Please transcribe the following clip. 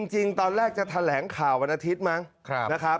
จริงตอนแรกจะแถลงข่าววันอาทิตย์มั้งนะครับ